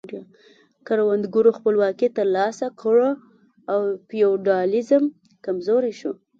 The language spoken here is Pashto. کروندګرو خپلواکي ترلاسه کړه او فیوډالیزم کمزوری شو.